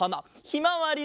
ひまわり！